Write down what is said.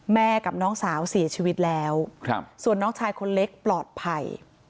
กับน้องสาวเสียชีวิตแล้วส่วนน้องชายคนเล็กปลอดภัย